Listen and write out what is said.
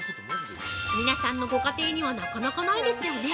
皆さんのご家庭にはなかなかないですよね？